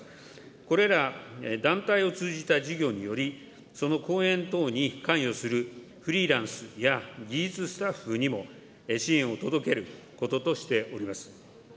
これら団体を通じた事業により、その公演等に関与するフリーランスや技術スタッフにも支援を届けることとしております。